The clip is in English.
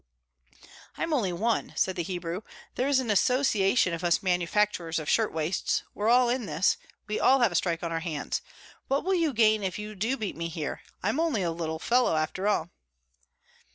"I'm only one," said the Hebrew. "There is an association of us manufacturers of shirtwaists. We are all in this. We all have a strike on our hands. What will you gain if you do beat me here? I'm only a little fellow after all."